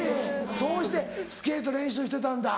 そうしてスケート練習してたんだ。